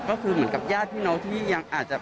ก็คือเหมือนกับญาติพี่น้องที่ยังอาจจะ